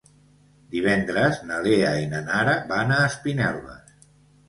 Divendres na Lea i na Nara van a Espinelves.